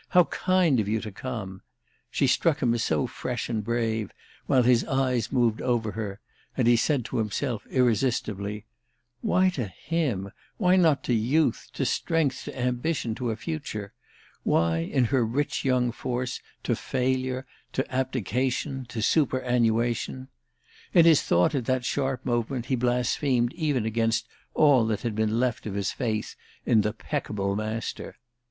How kind of you to come!" She struck him as so fresh and brave, while his eyes moved over her, that he said to himself irresistibly: "Why to him, why not to youth, to strength, to ambition, to a future? Why, in her rich young force, to failure, to abdication to superannuation?" In his thought at that sharp moment he blasphemed even against all that had been left of his faith in the peccable Master.